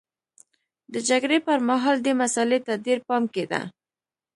د جګړې پرمهال دې مسئلې ته ډېر پام کېده